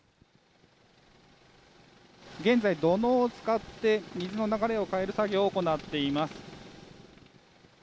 現在、土のうを使って水の流れを変える作業を行っています。